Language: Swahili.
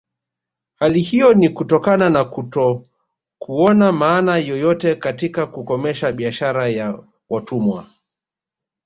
Hali hiyo ni kutokana na kutokuona maana yoyote katika kukomesha biashara ya watumwa